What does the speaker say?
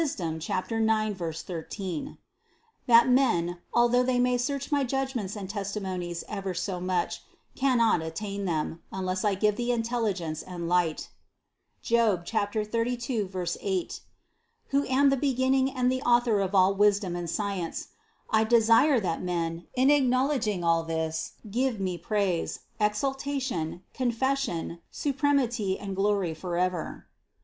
9, 13) ; that men, although they may search my judgments and testimonies ever so much, cannot attain them, unless I give the intelligence and light (Job 32, 8), who am the beginning and the Author of all wisdom and science. I desire that men, in acknowledging all this, give Me praise, exaltation, confession, supremity and glory forever."